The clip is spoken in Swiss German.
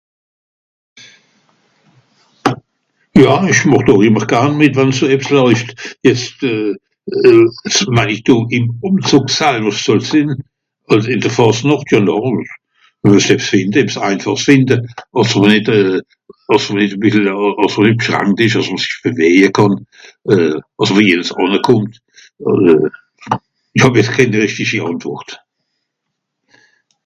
Ja ìch màch doch ìmmer garn mìt wenn so ebbs làuift. Jetzt euh... (...) ìm Ùmzùg salwer soll sìnn. ìn de Fàsnàcht (...) hìnte àss mr nìt euh... àss mr nìt e bìssel euh... àss mr nìt bschrankt ìsch àss mr sich bewéje kànn. Euh... àss wie es ànnekùmmt. euh... ìch hàb jetz kén rìchtischi Àntwùrt.